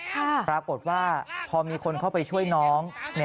ปรากฏว่าพอมีคนเข้าไปช่วยน้อง